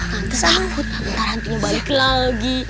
tante sabut nanti hantunya balik lagi